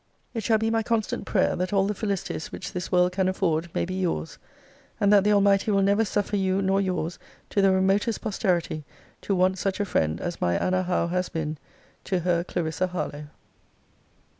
It shall be my constant prayer, that all the felicities which this world can afford may be your's: and that the Almighty will never suffer you nor your's, to the remotest posterity, to want such a friend as my Anna Howe has been to Her CLARISSA HARLOWE.